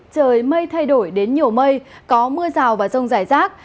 trời mây thay đổi đến nhiều mây có mưa rào và rông rải rác